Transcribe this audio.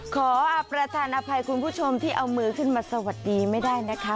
ขออาประธานอภัยคุณผู้ชมที่เอามือขึ้นมาสวัสดีไม่ได้นะคะ